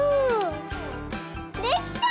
できた！